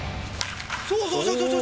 そうそうそうそうそう。